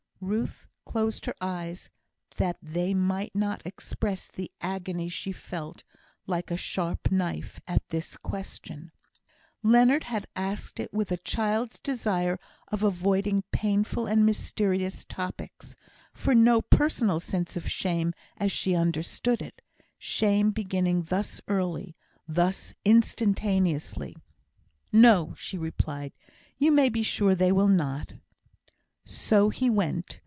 Ruth closed her eyes, that they might not express the agony she felt, like a sharp knife, at this question. Leonard had asked it with a child's desire of avoiding painful and mysterious topics, from no personal sense of shame as she understood it, shame beginning thus early, thus instantaneously. "No," she replied. "You may be sure they will not." So he went.